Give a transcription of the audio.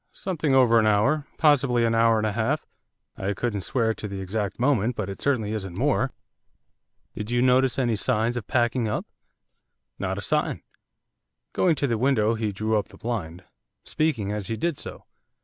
'Something over an hour, possibly an hour and a half; I couldn't swear to the exact moment, but it certainly isn't more.' 'Did you notice any signs of packing up?' 'Not a sign.' Going to the window he drew up the blind, speaking as he did so.